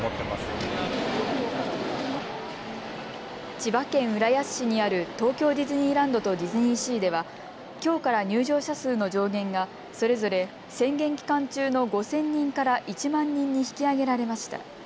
千葉県浦安市にある東京ディズニーランドとディズニーシーではきょうから入場者数の上限がそれぞれ宣言期間中の５０００人から１万人に引き上げられました。